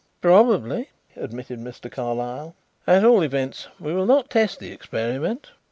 "Probably," admitted Mr. Carlyle. "At all events we will not test the experiment."